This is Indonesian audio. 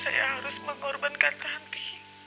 saya harus mengorbankan tanti